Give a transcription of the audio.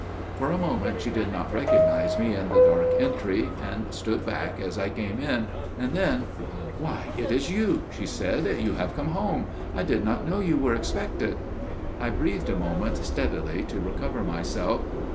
For a moment she did not recognise me in the dark entry and stood back as I came in, and then–––– "'Why it is you,' she said; 'you have come home. I did not know you were expected.' "I breathed a moment steadily to recover myself.